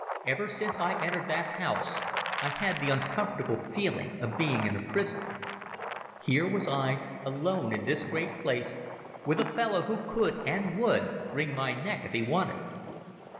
Ever since I entered that house I had the uncomfortable feeling of being in a prison. Here was I alone in this great place with a fellow who could, and would, wring my neck if he wanted.